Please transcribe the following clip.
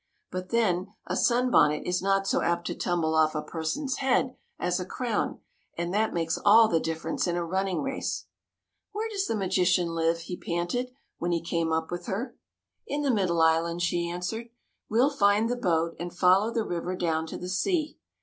But then, a sunbonnet is not so apt to tumble off a person's head as a crown, and that makes all the difference in a running race. " Where does the magician live ?" he panted, when he came up with her. " In the middle island," she answered. "We'll find the boat and follow the river down to the sea."